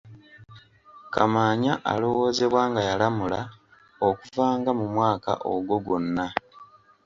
Kamaanya alowoozebwa nga yalamula okuva nga mu mwaka ogwo gwonna.